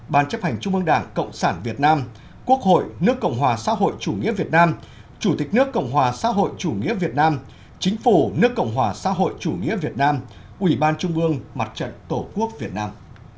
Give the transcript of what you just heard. ban chấp hành trung ương đảng cộng sản việt nam quốc hội nước cộng hòa xã hội chủ nghĩa việt nam chủ tịch nước cộng hòa xã hội chủ nghĩa việt nam chính phủ nước cộng hòa xã hội chủ nghĩa việt nam ủy ban trung ương mặt trận tổ quốc việt nam